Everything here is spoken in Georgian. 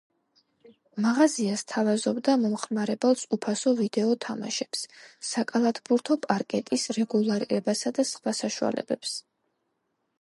მაღაზია სთავაზობდა მომხმარებელს უფასო ვიდეო თამაშებს, საკალათბურთო პარკეტის რეგულირებას და სხვა საშუალებებს.